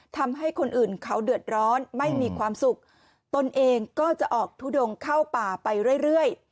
ทำให้คนอื่นเขาเดือดร้อนไม่มีความสุขตนเองก็จะออกทุดงเข้าป่าไปเรื่อย